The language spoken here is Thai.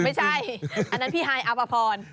ไม่ใช่อันนั้นพี่ฮายอัพพร